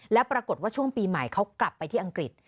แล้วปรากฏว่าช่วงปีใหม่เขากลับไปที่อังกฤษ